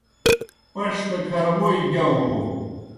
پݜ دہ کھرہ ووئی گِیاؤ ہو